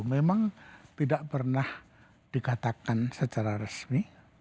memang tidak pernah dikatakan secara resmi